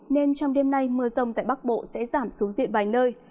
nên trong đêm nay mưa rông tại bắc bộ sẽ giảm xuống diện vài nơi